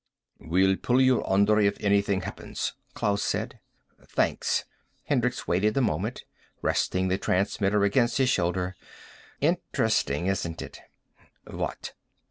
"We'll pull you under if anything happens," Klaus said. "Thanks." Hendricks waited a moment, resting the transmitter against his shoulder. "Interesting, isn't it?" "What?"